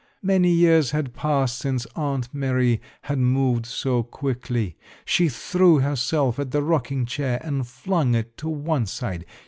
Many years had passed since Aunt Mary had moved so quickly. She threw herself at the rocking chair and flung it to one side.